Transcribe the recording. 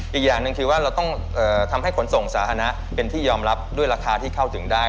อีกอย่างหนึ่งคือว่าเราต้องทำให้ขนส่งสาธารณะเป็นที่ยอมรับด้วยราคาที่เข้าถึงได้